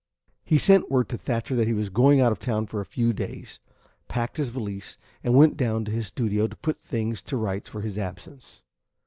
He sent word to Thatcher that he was going out of town for a few days, packed his valise, and went down to his studio to put things to rights for his absence.